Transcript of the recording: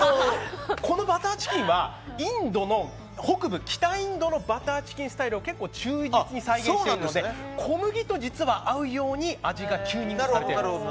このバターチキンはインドの北部、北インドのバターチキンスタイルを忠実に再現しているので小麦と合うように味がなっているんです。